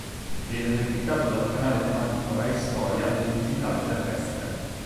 Viene replicato dal canale tematico Rai Storia del digitale terrestre.